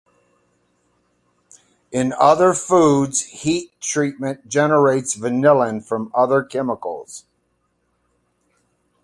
In other foods, heat treatment generates vanillin from other chemicals.